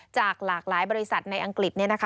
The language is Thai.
จากหลากหลายบริษัทในอังกฤษ